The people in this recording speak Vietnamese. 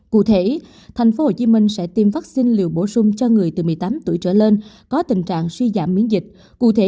cụ thể thành phố hồ chí minh sẽ tiêm vaccine liều bổ sung cho người từ một mươi tám tuổi trở lên có tình trạng suy giảm miễn dịch